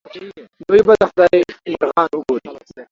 دوی به د خدای مرغان وګوري.